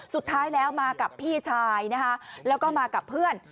สุดท้ายแล้วมากับพี่ชายนะคะแล้วก็มากับเพื่อน